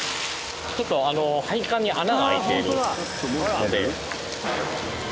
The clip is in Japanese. ちょっと配管に穴が開いているので。